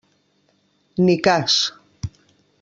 Ni cas.